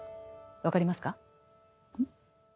分かりますか？